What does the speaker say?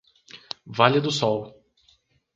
Vale do Sol